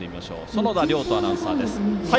園田遼斗アナウンサーです。